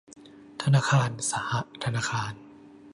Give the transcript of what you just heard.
ธนาคารสหธนาคาร